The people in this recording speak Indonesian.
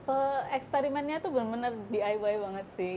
eksperimennya tuh benar benar diy banget sih